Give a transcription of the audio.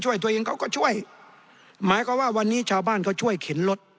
ช่วยตัวเองเขาก็ช่วยหมายความว่าวันนี้ชาวบ้านเขาช่วยเข็นรถ